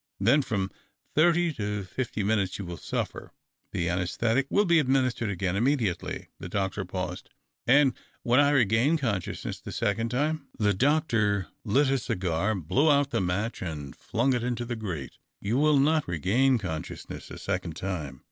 Then from thirty to fifty seconds you will suffer. The anassthetic will be administered again immediately." The doctor paused. " xind when I regain consciousness the second time 1 " The doctor lit a cigar, blew out the match, and flung it into the grate. " You will uot regain consciousness a second time.